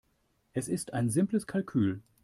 Es ist ein simples Kalkül.